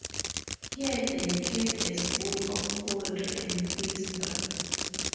Here they kept a school of poetry and history.